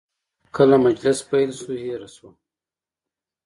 کله مجلس پیل شو، هیره شوه.